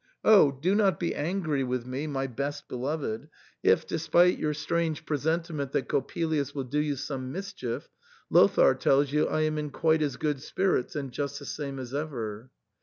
Oh ! do not be angry with me, my best beloved, if, despite your strange presentiment that Coppelius will do you some mischief, Lothair tells you I am in quite as good spirits, and just the same as ever.